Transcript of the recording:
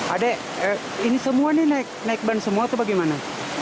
adek ini semua nih naik ban semua itu bagaimana